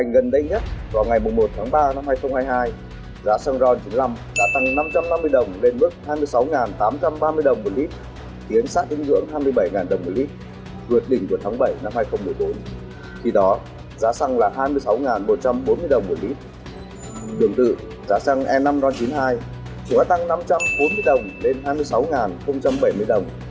gần một trăm bốn mươi đồng mỗi lít đường tự giá xăng e năm chín mươi hai cũng đã tăng năm trăm bốn mươi đồng lên hai mươi sáu bảy mươi đồng